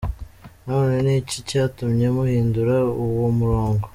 None ni iki cyatumye muhindura uwo murongo?”.